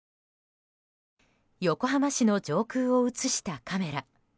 横浜市の上空を映したカメラ。